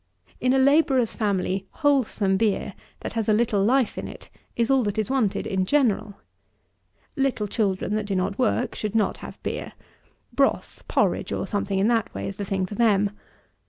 In a labourer's family, wholesome beer, that has a little life in it, is all that is wanted in general. Little children, that do not work, should not have beer. Broth, porridge, or something in that way, is the thing for them.